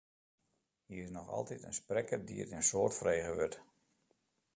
Hy is noch altyd in sprekker dy't in soad frege wurdt.